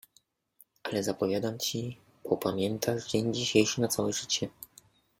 Ale zapowiadam ci… popamiętasz dzień dzisiejszy na całe życie!